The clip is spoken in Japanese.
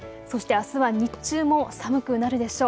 そしてあすは日中も寒くなるでしょう。